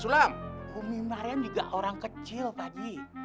umi maryam juga orang kecil pak eji